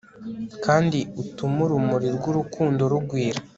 kandi utume urumuri rw'urukundo rugwira